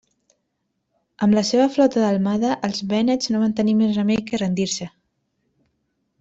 Amb la seva flota delmada, els vènets no van tenir més remei que rendir-se.